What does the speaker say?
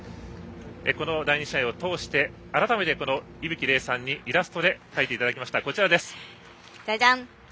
この第２試合を通して改めて依吹怜さんにイラストで描いていただきました。